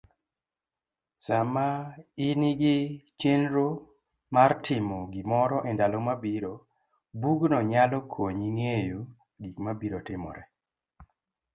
sama inigi chenro martimo gimoro endalo mabiro, bugno nyalo konyi ng'eyo gikmabiro timore .